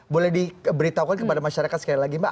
boleh diberitahukan kepada masyarakat sekali lagi mbak